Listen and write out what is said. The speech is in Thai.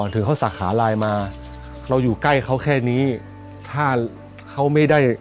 ถือเขาสักหาไลน์มาเราอยู่ใกล้เขาแค่นี้ถ้าเขาไม่ได้